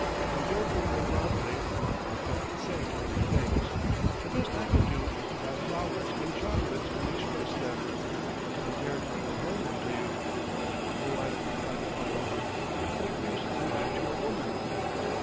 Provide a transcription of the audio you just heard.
I don't wear them properly. I can't say pretty things. The best I can do is to buy flowers and chocolates and express them. I daren't even hand them to you. Oh, I've thought it all over. What use am I to a woman?"